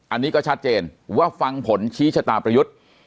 อันนี้ก็ชัดเจนว่าฟังผลชี้ชะตาประยุทธ์